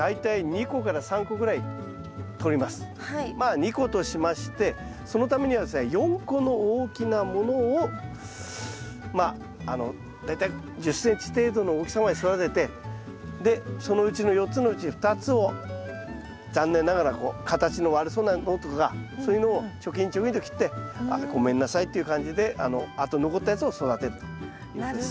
まあ２個としましてそのためにはですね４個の大きなものをまああの大体１０ｃｍ程度の大きさまで育ててでそのうちの４つのうち２つを残念ながらこう形の悪そうなのとかそういうのをチョキンチョキンと切ってごめんなさいという感じであと残ったやつを育てるということです。